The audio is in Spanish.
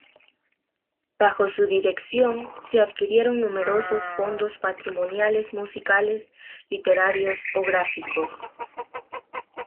Bajo su dirección se adquirieron numerosos fondos patrimoniales musicales, literarios o gráficos.